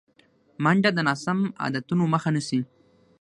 منډه د ناسم عادتونو مخه نیسي